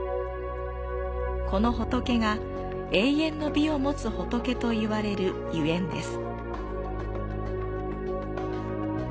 この仏が永遠の美を持つ仏といわれるゆえんです。